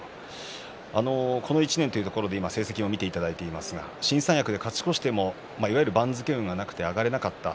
この１年の成績を見ていただいていますが新三役で勝ち越しても番付運がなくて上がれなかった。